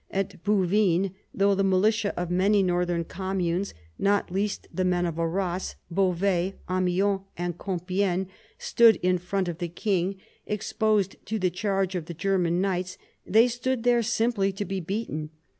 At Bouvines, though the militia of many northern communes, not least the men of Arras, Beauvais, Amiens, and Compiegne, stood in front of the king, exposed to the charge of the German knights, they stood there simply to be beaten.